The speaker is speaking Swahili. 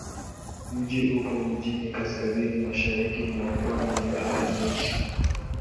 Mji upo mjini kaskazini-mashariki mwa pwani ya Bahari Nyeusi.